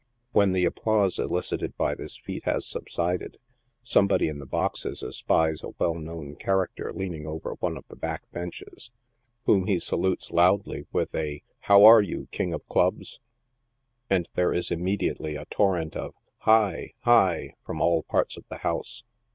When the applause elicited by this feat has subsided, somebody in the boxes espie3 a well known character leaning over one of the back benches, whom he salutes loudly with a " How are you, King of Clubs?" and there is immediately a torrent of " hi I hi !" from all parts of the house.